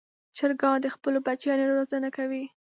چرګان د خپلو بچیانو روزنه کوي.